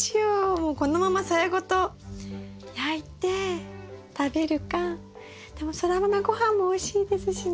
もうこのままさやごと焼いて食べるかでもソラマメごはんもおいしいですしね。